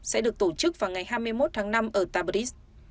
sẽ được tổ chức vào ngày hai mươi một tháng năm ở tabris